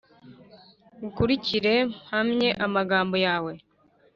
Ngukurikire mpamye amagambo yawe